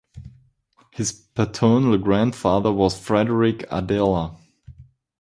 His paternal grandfather was Frederik Adeler.